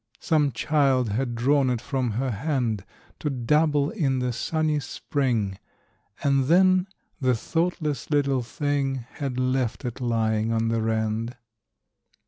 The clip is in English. Some child had drawn it from her hand To dabble in the sunny spring, And then, the thoughtless little thing, Had left it lying on the rand.